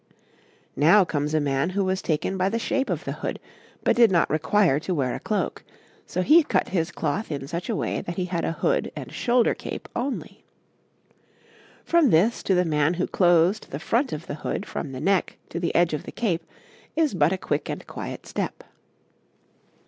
Now comes a man who was taken by the shape of the hood, but did not require to wear a cloak, so he cut his cloth in such a way that he had a hood and shoulder cape only. From this to the man who closed the front of the hood from the neck to the edge of the cape is but a quick and quiet step.